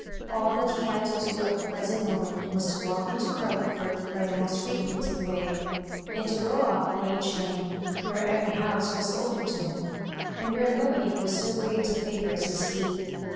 All that he had to do at the present mo ment was to w&Xk into Carlingford by che most frequented way, and to go up Grange Lane, where every house was open to him, and where nobody was so great a fiivourite as he.